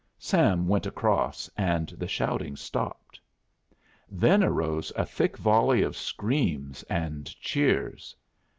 Sam went across, and the shouting stopped. Then arose a thick volley of screams and cheers.